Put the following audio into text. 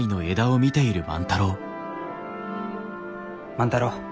万太郎。